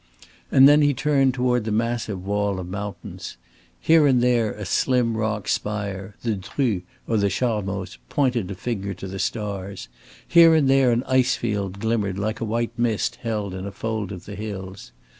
And then he turned toward the massive wall of mountains. Here and there a slim rock spire, the Dru or the Charmoz, pointed a finger to the stars, here and there an ice field glimmered like a white mist held in a fold of the hills.